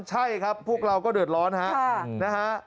ใช่ครับพวกเราก็เดือดร้อนฮะนะฮะ